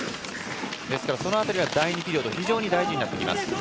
その辺りは第２ピリオド非常に大事になってきます。